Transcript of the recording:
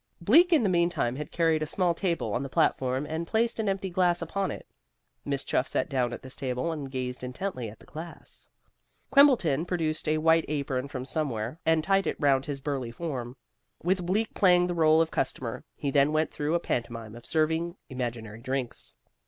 Bleak in the meantime had carried a small table on the platform, and placed an empty glass upon it. Miss Chuff sat down at this table, and gazed intently at the glass. Quimbleton produced a white apron from somewhere, and tied it round his burly form. With Bleak playing the role of customer he then went through a pantomime of serving imaginary drinks.